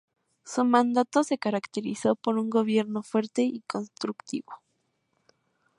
Su mandato se caracterizó por un gobierno fuerte y constructivo.